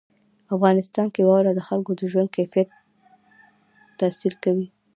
افغانستان کې واوره د خلکو د ژوند کیفیت تاثیر کوي.